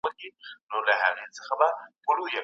که زموږ عايد کم وي نو ژوند مو سختيږي.